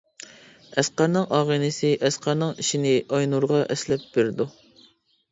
ئەسقەرنىڭ ئاغىنىسى ئەسقەرنىڭ ئىشىنى ئاينۇرغا ئەسلەپ بىردۇ.